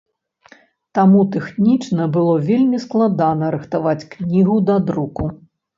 Таму тэхнічна было вельмі складана рыхтаваць кнігу да друку.